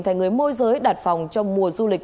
thấy người môi giới đặt phòng cho mùa du lịch